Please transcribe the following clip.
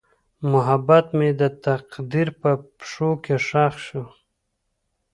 محبت مې د تقدیر په پښو کې ښخ شو.